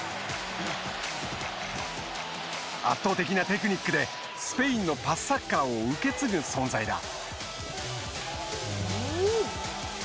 圧倒的なテクニックでスペインのパスサッカーを受け継ぐ存在だ。